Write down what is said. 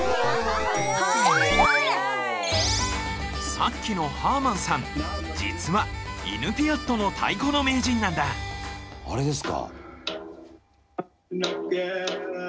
さっきのハーマンさん実はイヌピアットの太鼓の名人なんだあれですか？